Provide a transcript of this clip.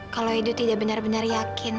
kalau ibu tidak benar benar yakin